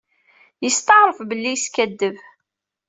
Yetseɛref belli yeskaddeb.